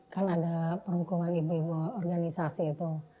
kan ada perhukuman ibu ibu organisasi itu